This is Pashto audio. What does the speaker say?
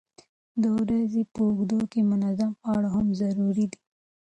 د ورځې په اوږدو کې منظم خواړه هم ضروري دي.